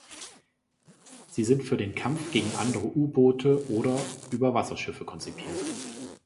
Sie sind für den Kampf gegen andere U-Boote oder Überwasserschiffe konzipiert.